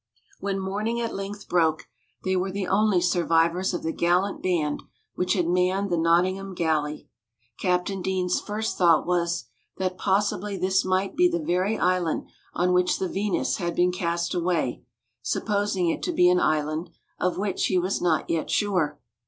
When morning at length broke, they were the only survivors of the gallant band which had manned the "Nottingham Galley." Captain Deane's first thought was, that possibly this might be the very island on which the "Venus" had been cast away, supposing it to be an island, of which he was not yet sure.